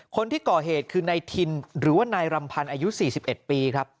คนที่ก่อเหตุคือนายทินหรือว่านายรำพันธ์อายุ๔๑ปีครับ